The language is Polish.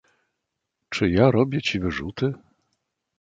"Czy ja robię ci wyrzuty?..."